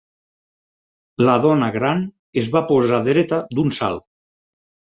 La dona gran es va posar dreta d'un salt.